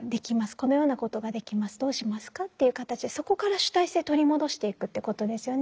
このようなことができますどうしますかっていう形でそこから主体性取り戻していくってことですよね。